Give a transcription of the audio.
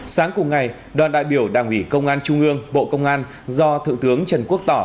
sáng cùng ngày đoàn đại biểu đảng ủy công an trung ương bộ công an do thượng tướng trần quốc tỏ